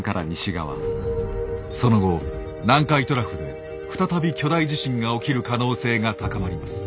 その後南海トラフで再び巨大地震が起きる可能性が高まります。